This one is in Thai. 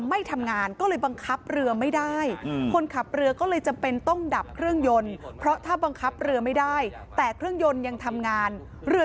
พนักงานเรือจะหมุนและจะหมุนแบบไร้ทิศทางเลย